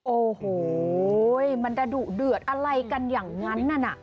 โอ้โหมันจะดุเดือดอะไรกันอย่างนั้นน่ะ